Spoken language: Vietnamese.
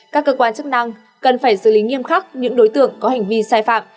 các cơ quan chức năng cần phải xử lý nghiêm khắc những đối tượng có hành vi sai phạm